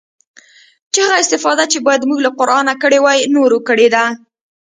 چې هغه استفاده چې بايد موږ له قرانه کړې واى نورو کړې ده.